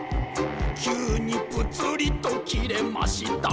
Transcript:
「急にぷつりと切れました。」